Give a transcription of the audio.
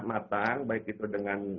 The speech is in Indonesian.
matang baik itu dengan